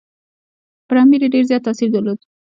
پر امیر یې ډېر زیات تاثیر درلود.